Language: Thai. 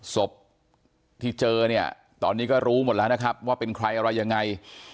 ศพที่เจอเนี่ยตอนนี้ก็รู้หมดแล้วนะครับว่าเป็นใครอะไรยังไง